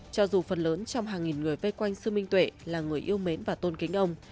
cho dù phần lớn trong hàng nghìn người vây quanh sư minh tuệ là người yêu mến và tôn kính ông